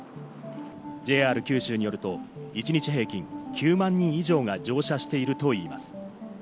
ＪＲ九州によると一日平均９万人以上が乗車しているといいます。